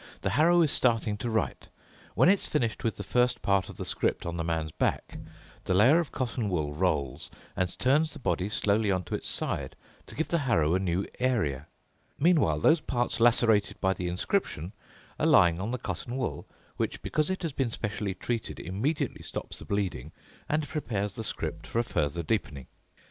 The harrow is starting to write. When it's finished with the first part of the script on the man's back, the layer of cotton wool rolls and turns the body slowly onto its side to give the harrow a new area. Meanwhile those parts lacerated by the inscription are lying on the cotton wool which, because it has been specially treated, immediately stops the bleeding and prepares the script for a further deepening.